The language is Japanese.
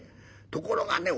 ところがね